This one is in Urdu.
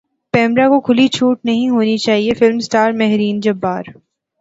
پیمرا کو کھلی چھوٹ نہیں ہونی چاہیے فلم ساز مہرین جبار